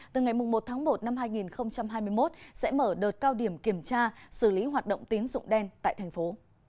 từ ngày một tháng một năm hai nghìn hai mươi một sẽ mở đợt cao điểm kiểm tra xử lý hoạt động tín dụng đen tại thành phố